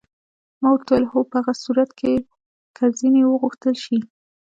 ما ورته وویل: هو، په هغه صورت کې که ځینې وغوښتل شي.